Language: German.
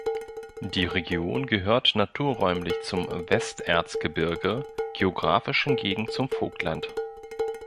Die Region gehört naturräumlich zum Westerzgebirge, geografisch hingegen zum Vogtland.